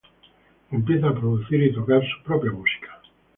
Empieza a producir y tocar su propia música.